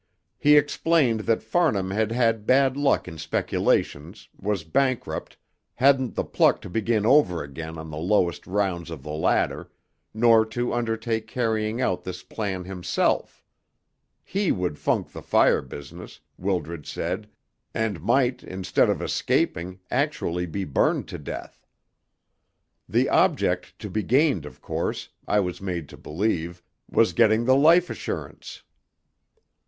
He explained that Farnham had had bad luck in speculations, was bankrupt, hadn't the pluck to begin over again on the lowest rounds of the ladder, nor to undertake carrying out this plan himself. He would funk the fire business, Wildred said, and might, instead of escaping, actually be burned to death. The object to be gained, of course, I was made to believe, was getting the life assurance.